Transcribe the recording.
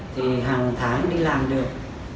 thì hàng tháng đi làm được